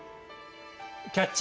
「キャッチ！